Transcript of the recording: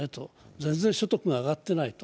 全然所得が上がっていないと。